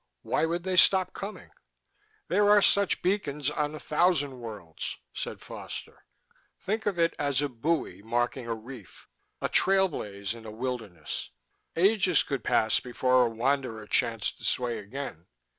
Why would they stop coming?" "There are such beacons on a thousand worlds," said Foster. "Think of it as a buoy marking a reef, a trailblaze in the wilderness. Ages could pass before a wanderer chanced this way again.